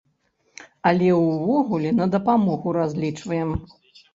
Але ўвогуле на дапамогу разлічваем.